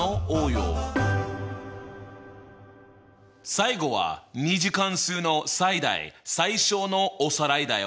最後は２次関数の最大・最小のおさらいだよ。